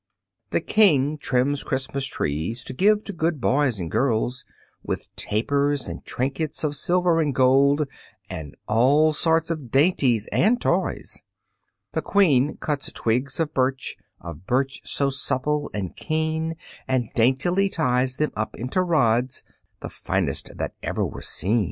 The King trims Christmas trees, To give to good girls and boys, With tapers and trinkets of silver and gold, And all sorts of dainties and toys. The Queen cuts twigs of birch, Of birch so supple and keen, And daintily ties them up into rods The finest that ever were seen.